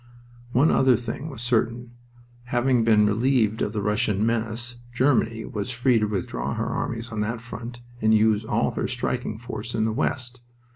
One other thing was certain. Having been relieved of the Russian menace, Germany was free to withdraw her armies on that front and use all her striking force in the west.